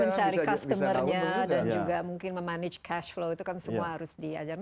mencari customer nya dan juga mungkin memanage cash flow itu kan semua harus diajarkan